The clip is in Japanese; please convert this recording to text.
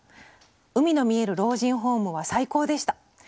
「海の見える老人ホームは最高でした。